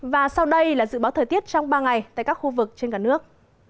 và sau đây là dự báo thời tiết trong ba ngày tại các khu vực trên cả nước